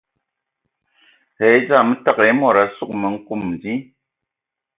Və e dzam təgə ai e mod a sug ma nkom di.